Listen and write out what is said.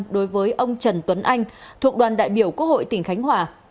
đối với ông trần tuấn anh thuộc đoàn đại biểu quốc hội tỉnh khánh hòa